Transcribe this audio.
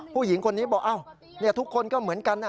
ผู้หญิงคนนี้บอกทุกคนก็เหมือนกัน